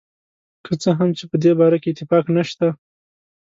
که څه هم چې په دې باره کې اتفاق نشته.